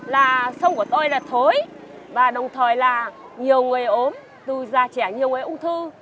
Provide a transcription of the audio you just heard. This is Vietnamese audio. là sông của tôi là thối và đồng thời là nhiều người ốm từ già trẻ nhiều người ung thư